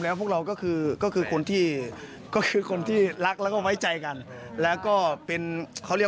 แล้วลือกันไปหนักมากว่าปลายทองด้วยคุณผู้ชม